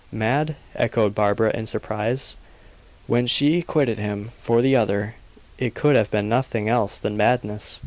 "Mad!" echoed Barbara, in surprise. "When she quitted him for the other. It could have been nothing else than madness.